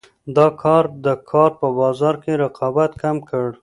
دا کار د کار په بازار کې رقابت کم کړ.